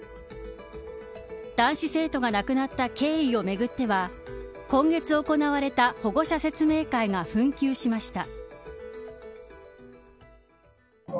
男子生徒が亡くなった経緯をめぐっては今月行われた保護者説明会が紛糾しました。